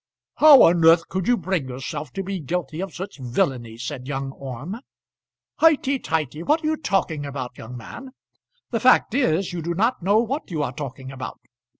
"How on earth could you bring yourself to be guilty of such villainy?" said young Orme. "Highty tighty! What are you talking about, young man? The fact is, you do not know what you are talking about.